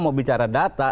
mau bicara data